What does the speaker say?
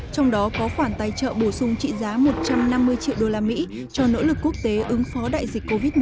trong đó có khoản tài trợ bổ sung trị giá một trăm năm mươi triệu đô la mỹ cho nỗ lực quốc tế ứng phó đại dịch covid một mươi chín